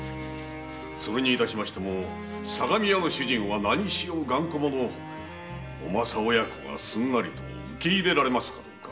それにしましても相模屋の主人は名にしおう頑固者お政親子が受け入れられますかどうか。